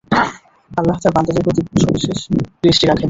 আল্লাহ্ তাঁর বান্দাদের প্রতি সবিশেষ দৃষ্টি রাখেন।